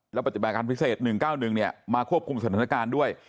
และปฏิบัติการพิเศษ๑๙๑มาควบคุมสถานการณ์ด้วย